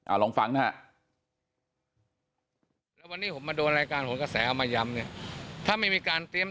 อ่ะลองฟังนะฮะ